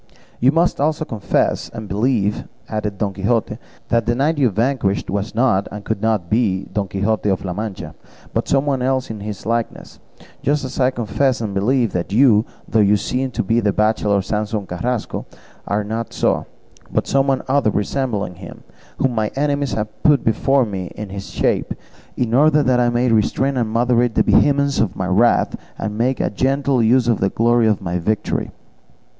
"You must also confess and believe," added Don Quixote, "that the knight you vanquished was not and could not be Don Quixote of La Mancha, but some one else in his likeness, just as I confess and believe that you, though you seem to be the bachelor Samson Carrasco, are not so, but some other resembling him, whom my enemies have here put before me in his shape, in order that I may restrain and moderate the vehemence of my wrath, and make a gentle use of the glory of my victory."